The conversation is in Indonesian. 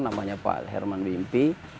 namanya pak herman wimpi